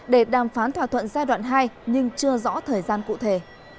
để đàm phán thỏa thuận giai đoạn hai nhưng chưa rõ thời gian cụ thể